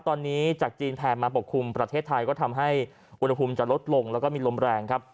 ตอนนี้จากจีนแผ่มาปกคลุมประเทศไทยก็ทำให้อุณหภูมิจะลดลงแล้วก็มีลมแรงครับ